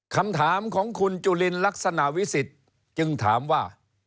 คำถามของคุณจุลินลักษณะวิสิทธิ์จึงถามว่า